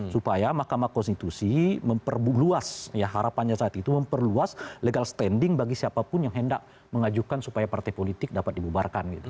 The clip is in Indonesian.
supaya mahkamah konstitusi memperluas harapannya saat itu memperluas legal standing bagi siapapun yang hendak mengajukan supaya partai politik dapat dibubarkan gitu